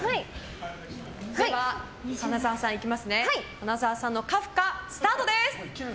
花澤さんのカフカスタートです。